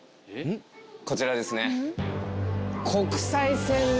こちらですね。